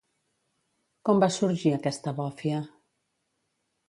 Com va sorgir aquesta bòfia?